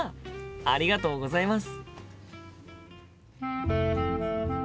ありがとうございます。